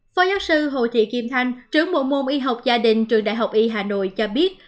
phó giáo sư hồ thị kim thanh trưởng bộ môn y học gia đình trường đại học y hà nội cho biết